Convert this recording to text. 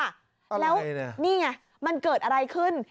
อะไรเนี่ยแล้วนี่ไงมันเกิดอะไรขึ้น